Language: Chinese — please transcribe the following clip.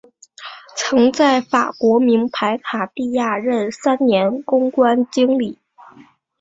曾在法国名牌卡地亚任三年公关经理。